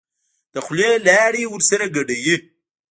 د خولې لاړې ورسره ګډوي.